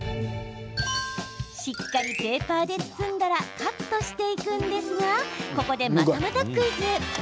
しっかりペーパーで包んだらカットしていくんですがここで、またまたクイズ。